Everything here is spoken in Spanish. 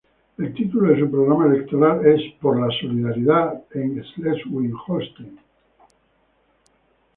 El título de su programa electoral es "Por la solidaridad en Schleswig-Holstein.